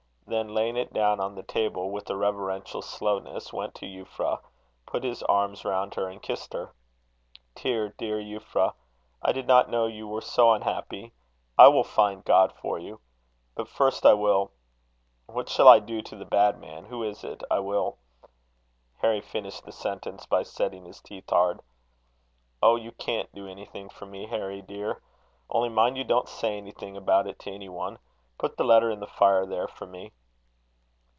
Then, laying it down on the table with a reverential slowness, went to Euphra, put his arms round her and kissed her. "Dear, dear Euphra, I did not know you were so unhappy. I will find God for you. But first I will what shall I do to the bad man? Who is it? I will " Harry finished the sentence by setting his teeth hard. "Oh! you can't do anything for me, Harry, dear. Only mind you don't say anything about it to any one. Put the letter in the fire there for me."